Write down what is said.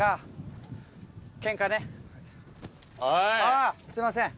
あぁすいません。